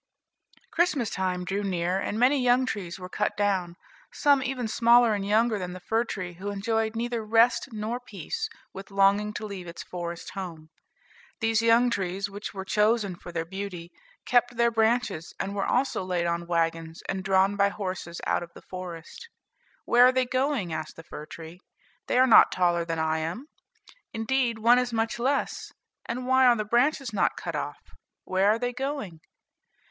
Christmas time drew near, and many young trees were cut down, some even smaller and younger than the fir tree who enjoyed neither rest nor peace with longing to leave its forest home. These young trees, which were chosen for their beauty, kept their branches, and were also laid on wagons and drawn by horses out of the forest. "Where are they going?" asked the fir tree. "They are not taller than I am: indeed, one is much less; and why are the branches not cut off? Where are they going?"